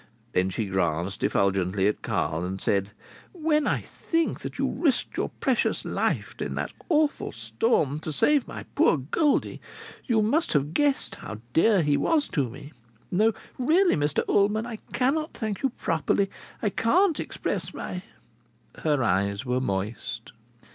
Then she glanced effulgently at Carl and said, "When I think that you risked your precious life, in that awful storm, to save my poor Goldie?... You must have guessed how dear he was to me?... No, really, Mr Ullman, I cannot thank you properly! I can't express my " Her eyes were moist.